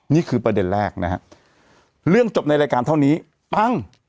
นี่คือประเด็นแรกนะฮะเรื่องจบในรายการเท่านี้ปั้ง